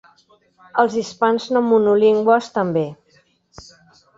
Els hispans no monolingües també.